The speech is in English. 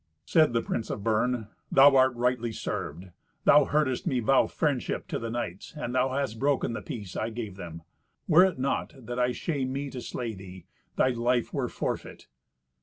Said the prince of Bern, "Thou art rightly served. Thou heardest me vow friendship to the knights, and thou hast broken the peace I gave them. Were it not that I shame me to slay thee, thy life were forfeit."